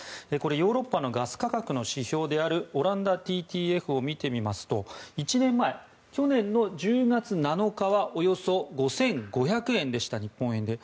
ヨーロッパのガス価格の指標であるオランダＴＴＦを見てみますと１年前去年の１０月７日はおよそ５５００円でした日本円で。